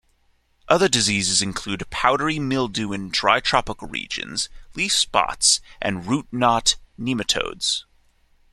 Other diseases include powdery mildew in dry tropical regions, leaf spots, and root-knot nematodes.